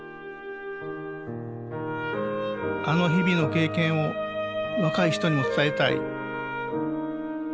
あの日々の経験を若い人にも伝えたい